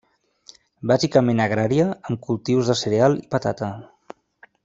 Bàsicament agrària, amb cultius de cereal i patata.